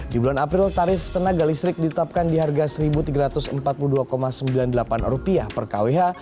di bulan april tarif tenaga listrik ditetapkan di harga rp satu tiga ratus empat puluh dua sembilan puluh delapan per kwh